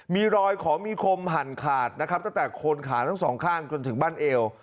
มีรอยขอมีคมหั่นขาดนะครับตั้งแต่โคนขาทั้งสองข้างจนถึงบ้านเอว